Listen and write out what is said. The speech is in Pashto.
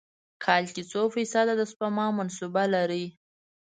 کال کې څو فیص ده د سپما منصوبه لرئ؟